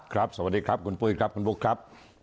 สวัสดีครับคุณปุ้ยครับคุณบุ๊คครับ